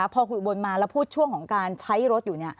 พอคุยอุบลมาแล้วพูดช่วงของการใช้รถอยู่